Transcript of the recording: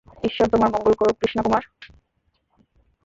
ঈশ্বর তোমার মঙ্গল করুক, কৃষ্ণা কুমার।